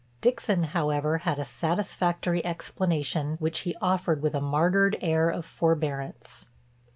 Dixon, however, had a satisfactory explanation, which he offered with a martyred air of forbearance.